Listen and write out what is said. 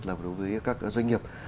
là đối với các doanh nghiệp